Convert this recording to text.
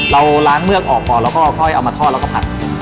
เราร้างเมลักออกเบาแล้วก็ค่อยเอามาทอดพัด